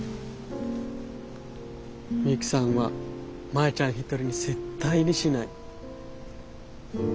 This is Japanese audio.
ミユキさんはマヤちゃん一人に絶対にしない。